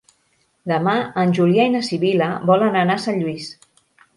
Demà en Julià i na Sibil·la volen anar a Sant Lluís.